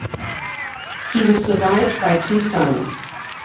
He was survived by two sons.